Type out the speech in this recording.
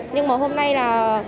nhưng mà hôm nay là